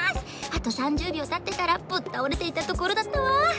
あと３０びょうたってたらぶったおれていたところだったわ。